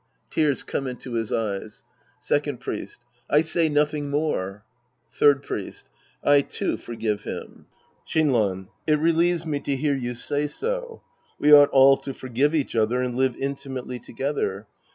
(Tears come into his eyes.) Second Priest. I say nothing more. Third Priest. I, too, forgive liim. Shinran. It relieves me to hear you say so. We ought all to forgive each other and live intimately together.